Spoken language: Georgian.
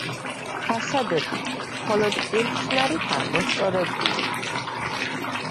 ფასადები მხოლოდ კირხსნარითაა მოსწორებული.